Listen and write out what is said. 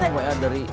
aku mau bayar dari